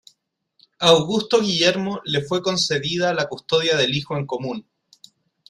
A Augusto Guillermo le fue concedida la custodia del hijo en común.